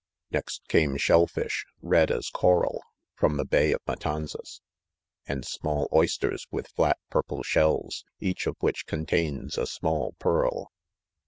Next came shell fish, red as coral, from the bay of Matanzas ? and small oysters, with flat purple shells, each of which contains a small pearl.